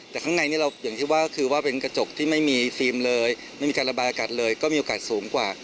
แต่ข้างในนี่เราอย่างที่ว่าคือว่าเป็นกระจกที่ไม่มีซีมเลยไม่มีการระบายอากาศเลยก็มีโอกาสสูงกว่า